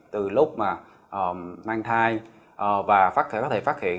từ lúc mà mang thai và có thể phát hiện